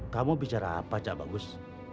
kamu bicara apa cak bagus